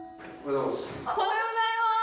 おはようございます。